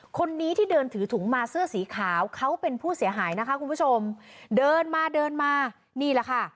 คนนี้ที่เดินถือถุงมาเสื้อสีขาวเขาเป็นผู้เสียหายนะคะคุณผู้ชมเดินมาเดินมานี่แหละค่ะ